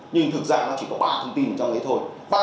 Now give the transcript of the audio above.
nhưng thực ra nó chỉ có ba thông tin trong đấy thôi